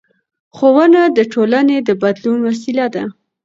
ښوونه د ټولنې د بدلون وسیله ده